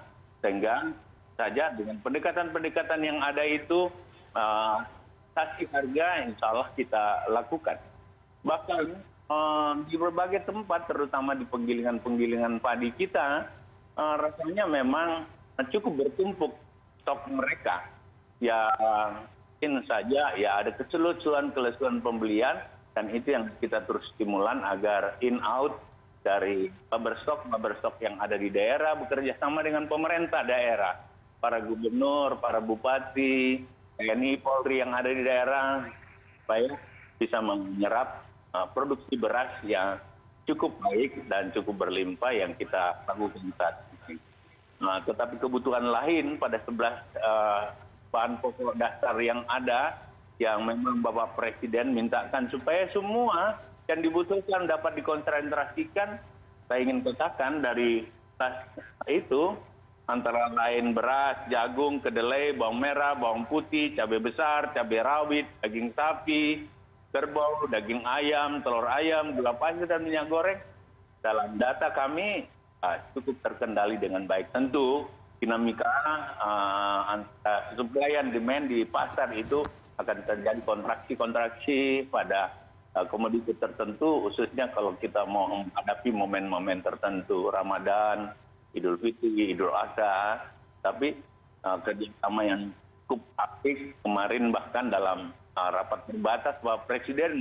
sehingga pada akhir juni dua ribu dua puluh satu terdapat surplus beras sebanyak sepuluh dua puluh sembilan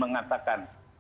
juta